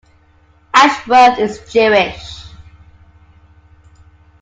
Ashworth is Jewish.